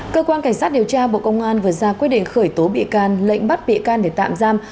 cơ quan cảnh sát điều tra bộ công an vừa ra quyết định khởi tố bị can lệnh bắt bị can để tạm giam